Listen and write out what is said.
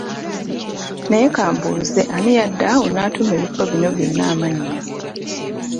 Naye kambuuze ani yadda awo n'atuuma ebifo bino byonna amannya.